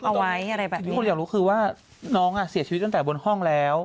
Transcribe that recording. เอาไว้อะไรแบบนี้มีคนอยากรู้คือว่าน้องอ่ะเสียชีวิตตั้งแต่บนห้องแล้ว